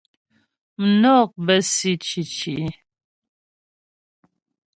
Mnɔk bə́ si cǐci.